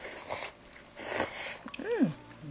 うん！